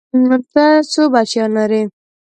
ته څو بچيان لرې؟